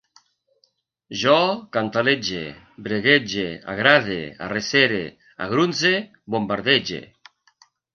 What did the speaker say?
Jo cantalege, breguege, agrade, arrecere, agrunse, bombardege